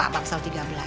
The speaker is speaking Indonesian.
akhirnya saya gak boleh